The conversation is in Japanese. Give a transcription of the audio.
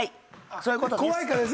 そういうことです。